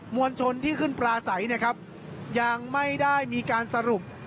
วลชนที่ขึ้นปลาใสนะครับยังไม่ได้มีการสรุป